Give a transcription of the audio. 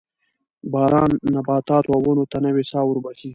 باران نباتاتو او ونو ته نوې ساه وربخښي